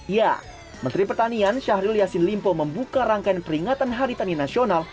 ya menteri pertanian syahrul yassin limpo membuka rangkaian peringatan hari tani nasional